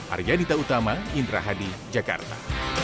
arya dita utama indra hadi jakarta